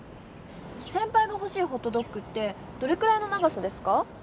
せんぱいがほしいホットドッグってどれくらいの長さですか？